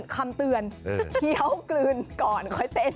คำเตือนเคี้ยวกลืนก่อนค่อยเต้น